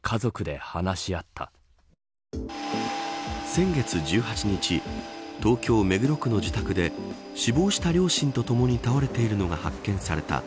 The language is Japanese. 先月１８日東京、目黒区の自宅で死亡した両親と共に倒れているのが発見された。